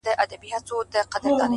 ستړى په گډا سومه ـچي ـستا سومه ـ